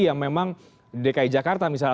yang memang dki jakarta misalnya